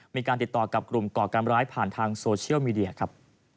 มีการติดต่อกับกลุ่มก่อการร้ายผ่านทางโซเชียลมีเดียครับ